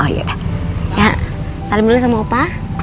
ya salam dulu sama papa